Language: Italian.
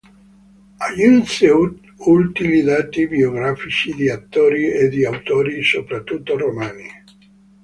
Aggiunse utili dati biografici di attori e di autori, soprattutto romani.